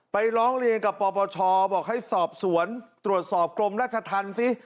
ร้องเรียนกับปปชบอกให้สอบสวนตรวจสอบกรมราชธรรมสิ